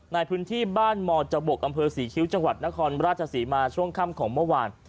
ในพื้นที่บ้านมจบกอำเภอศรีคิ้วจังหวัดนครราชศรีมาช่วงค่ำของเมื่อวาน